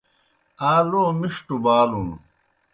آ لو مِݜٹوْ بالُن۔